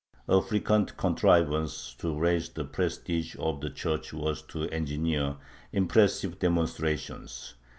A frequent contrivance to raise the prestige of the Church was to engineer impressive demonstrations.